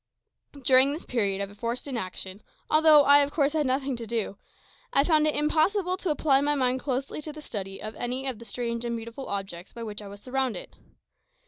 During this period of forced inaction, although of course I had nothing to do, I found it impossible to apply my mind closely to the study of any of the strange and beautiful objects by which I was surrounded.